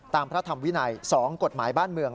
พระธรรมวินัย๒กฎหมายบ้านเมือง